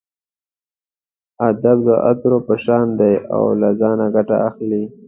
ادب د عطرو په شان دی له ځانه ګټه اخلئ.